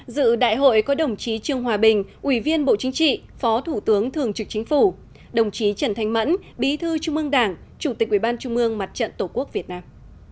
dự đại hội có đồng chí trương hòa bình ủy viên bộ chính trị phó thủ tướng thường trực chính phủ đồng chí trần thanh mẫn bí thư trung ương đảng chủ tịch ủy ban trung ương mặt trận tổ quốc việt nam